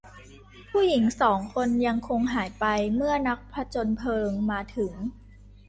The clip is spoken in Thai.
ผู้หญิงสองคนยังคงหายไปเมื่อนักผจญเพลิงมาถึง